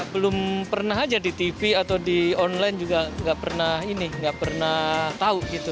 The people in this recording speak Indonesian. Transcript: belum pernah aja di tv atau di online juga nggak pernah ini nggak pernah tahu gitu